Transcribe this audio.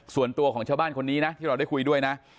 ส่วนตัวของชาวบ้านคนนี้นะที่เราได้คุยด้วยนะ